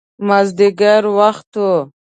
مازدیګر وخت و.